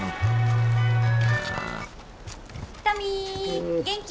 「トミー元気？